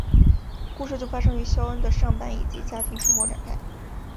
故事就是发生于肖恩的上班以及家庭生活展开。